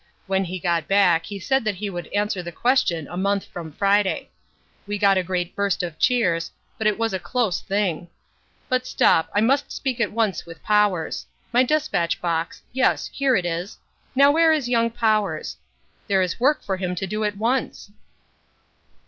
When he got back he said that he would answer the question a month from Friday. We got a great burst of cheers, but it was a close thing. But stop, I must speak at once with Powers. My despatch box, yes, here it is. Now where is young Powers? There is work for him to do at once."